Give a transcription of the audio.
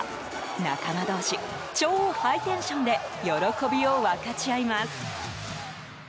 仲間同士、超ハイテンションで喜びを分かち合います。